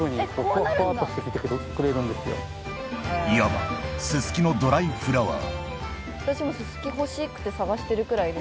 いわばススキのドライフラワー